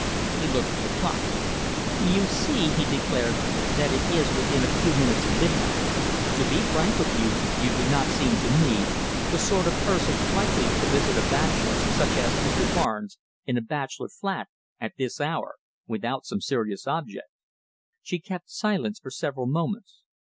He looked at the clock. "You see," he declared, "that it is within a few minutes of midnight. To be frank with you, you do not seem to me the sort of person likely to visit a bachelor such as Mr. Barnes, in a bachelor flat, at this hour, without some serious object." She kept silence for several moments.